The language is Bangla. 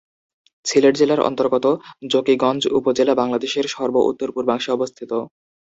সিলেট জেলার অন্তর্গত জকিগঞ্জ উপজেলা বাংলাদেশের সর্ব উত্তর-পূর্বাংশে অবস্থিত।